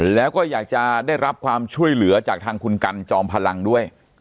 แล้วก็อยากจะได้รับความช่วยเหลือจากทางคุณกันจอมพลังด้วย